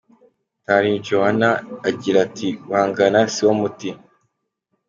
Ndriarijoana agira ati: Guhangana siwo muti.